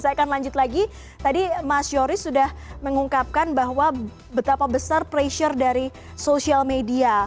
saya akan lanjut lagi tadi mas yoris sudah mengungkapkan bahwa betapa besar pressure dari social media